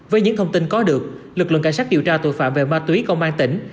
với những thông tin có được lực lượng cảnh sát điều tra tội phạm về ma túy công an tỉnh